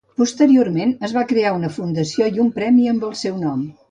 Posteriorment es va crear una fundació i un premi amb el seu nom.